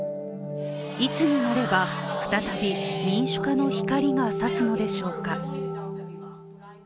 いつになれば再び民主化の光が差すのでしょうか。